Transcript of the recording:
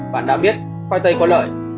bạn đã biết khoai tây có lợi